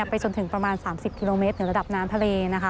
ไปจนถึงประมาณ๓๐กิโลเมตรถึงระดับน้ำทะเลนะคะ